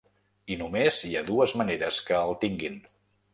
I només hi ha dues maneres que el tinguin.